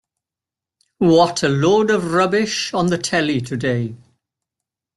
What a load of rubbish on the telly today.